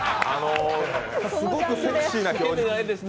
すごくセクシーな表情。